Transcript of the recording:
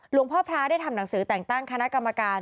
หลวงพ่อพระได้ทำหนังสือแต่งตั้งคณะกรรมการ